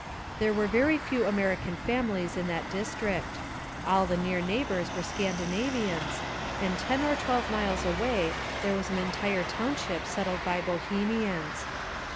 There were very few American families in that district ; all the near neighbors were Scandinavians, and ten or twelve miles away there was an entire town ship settled by Bohemians.